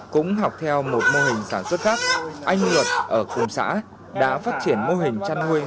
cũng học theo một mô hình sản xuất khác anh luật ở cùng xã đã phát triển mô hình chăn nuôi